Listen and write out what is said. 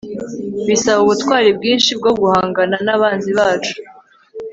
bisaba ubutwari bwinshi bwo guhangana nabanzi bacu